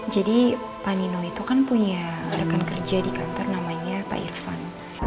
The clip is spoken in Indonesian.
jadi pak nino itu kan punya rekan kerja di kantor namanya pak irvan